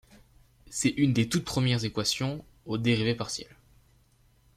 C'est une des toutes premières équations aux dérivées partielles.